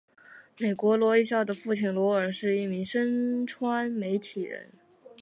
女孩罗一笑的父亲罗尔是一名深圳媒体人。